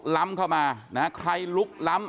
จะไม่เคลียร์กันได้ง่ายนะครับ